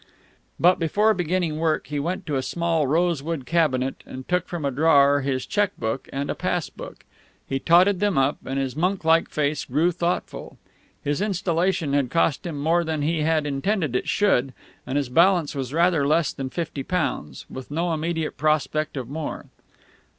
But before beginning work he went to a small rosewood cabinet and took from a drawer his cheque book and pass book. He totted them up, and his monk like face grew thoughtful. His installation had cost him more than he had intended it should, and his balance was rather less than fifty pounds, with no immediate prospect of more.